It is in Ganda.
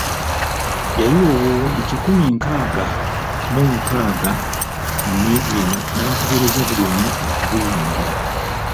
Yayiwa obuwumbi kikumi nkaaga mu mukaaga mu niigiina n’akubiriza buli omu okubiyingira.